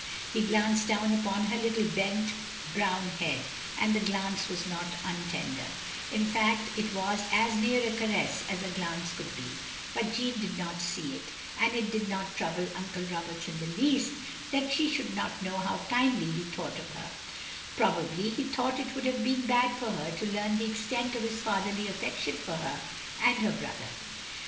He glanced down upon her little bent brown head, and the glance was not untender; in fact it was as near a caress as a glance could be; but Jeanne did not see it, and it did not trouble Uncle Roberts in the least that she should not know how kindly he thought of her ; probably he thought it would have been bad for her to learn the extent of his fatherly affection for her and her brother.